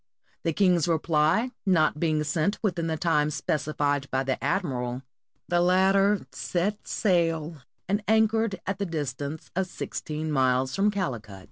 The king's reply not being sent within the time specified by the admiral, the latter set sail and anchored at the distance of sixteen miles from Calicut.